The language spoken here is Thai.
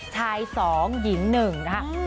ชาย๒หญิง๑นะคะ